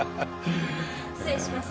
失礼します。